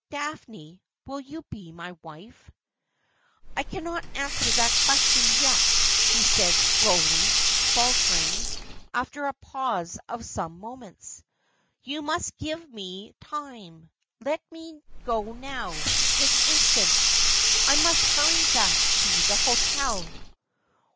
' Daphne, will you be my wife ?'' I cannot answer that question yet,' she said slowly, falter ingly, after a pause of some moments. ' You must give me time. Let me go now — this instant. I must hurry back to the hotel.'